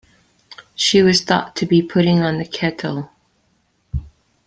She was thought to be putting on the kettle.